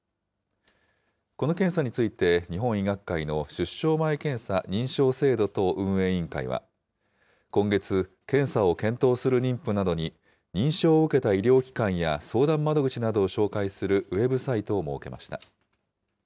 この検査について日本医学会の出生前検査認証制度等運営委員会は、今月、検査を検討する妊婦などに認証を受けた医療機関や相談窓口などを紹介するウェブサイトを設けました。